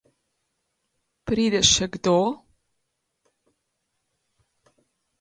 Pride še kdo?